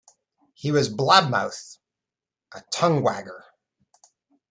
He was blab-mouthed, a tongue-wagger.